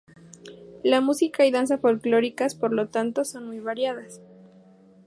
La música y danza folclóricas, por lo tanto, son muy variadas.